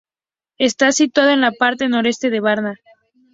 Está situado en la parte noreste de Varna.